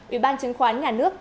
ủy ban chứng khoán nhà nước